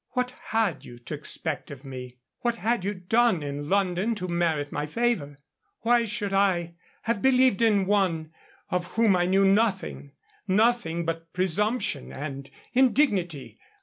What had you to expect of me? What had you done in London to merit my favor? Why should I have believed in one of whom I knew nothing nothing but presumption and indignity?